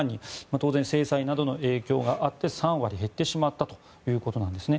当然、制裁などの影響があって３割減ってしまったということなんですね。